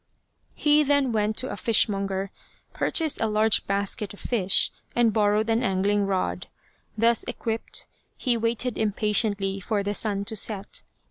He then went to a fishmonger, purchased a large basket of fish, and borrowed an angling rod. Thus equipped, he waited impatiently for the sun to set.